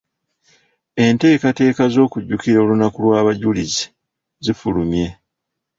Enteekateeka z’okujjukira olunaku lw’abajulizi zifulumye.